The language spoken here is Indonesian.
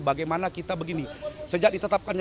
bagaimana kita begini sejak ditetapkannya